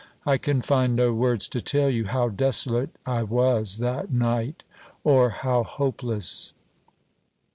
I can find no words to tell you how desolate I was that night, or how hopeless.